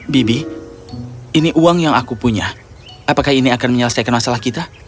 bibi ini uang yang aku punya apakah ini akan menyelesaikan masalah kita